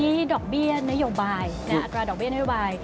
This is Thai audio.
นี่ดอกเบี้ยนโยบายอัตราดอกเบี้นโยบาย